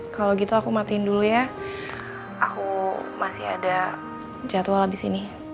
kalau gitu aku matiin dulu ya aku masih ada jadwal habis ini